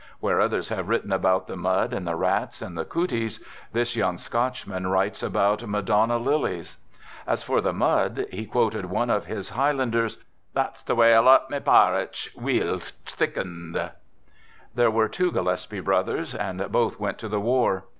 Where others nave written about the mud and the rats and the cootjes, this young Scotchman writes about madonna hhes. As for the mud, he quoted one of his High landers: " That's the way I like ma parritch, weel thickened." Thete were two Gillespie brothers, and both went to the war.